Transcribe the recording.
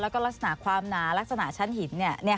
ลักษณะความหนาลักษณะชั้นหิน